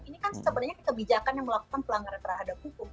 ini kan sebenarnya kebijakan yang melakukan pelanggaran terhadap hukum